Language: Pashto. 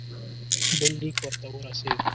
بل لیک ورته ورسېد.